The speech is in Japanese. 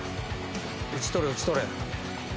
打ち取れ打ち取れ。